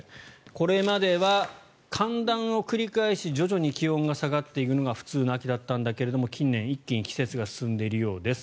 これまでは寒暖を繰り返し徐々に気温が下がっていくのが普通の秋だったんだけれども近年、一気に季節が進んでいるようです。